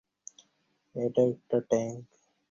এটা একটা ট্যাঙ্ক!